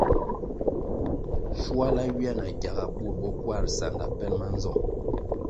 Shuala ywia na gyaga bur bo Kwarʼ sanda pelʼ ma nzong.